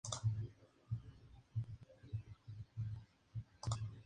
Cada "melk" se acompaña de su color específico, incienso, ritmo y baile.